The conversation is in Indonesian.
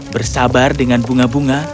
bersabar dengan bunga bunga